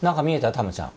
タマちゃん。